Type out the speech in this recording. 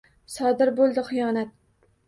Sodir bo’ldi xiyonat.